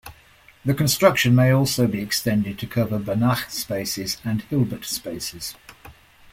The construction may also be extended to cover Banach spaces and Hilbert spaces.